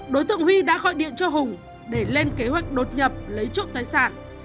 đối tượng huy đã gọi điện cho hùng để lên kế hoạch đột nhập lấy trộm tài sản